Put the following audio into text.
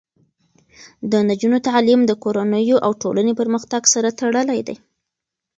د نجونو تعلیم د کورنیو او ټولنې پرمختګ سره تړلی دی.